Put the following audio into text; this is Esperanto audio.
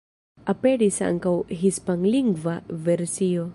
Aperis ankaŭ hispanlingva versio.